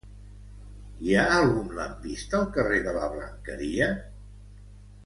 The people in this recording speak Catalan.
Hi ha algun lampista al carrer de la Blanqueria?